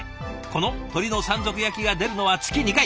この鶏の山賊焼きが出るのは月２回。